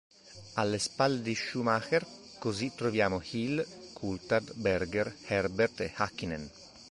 Alle spalle di Schumacher, così, troviamo Hill, Coulthard, Berger, Herbert e Hakkinen.